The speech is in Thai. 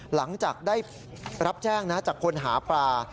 หลังจากได้รับแจ้งนะจากคนหาปลา